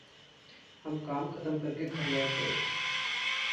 हम काम खतम करके घर लौट गए।